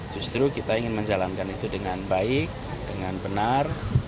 justru kita ingin menjalankan itu dengan baik dengan benar